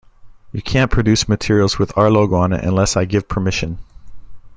You can't produce materials with our logo on it unless I give permission.